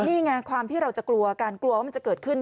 นี่ไงความที่เราจะกลัวการกลัวว่ามันจะเกิดขึ้น